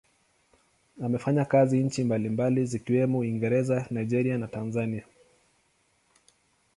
Amefanya kazi nchi mbalimbali zikiwemo Uingereza, Nigeria na Tanzania.